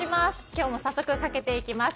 今日も早速かけていきます。